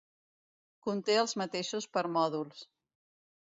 Conté els mateixos permòdols.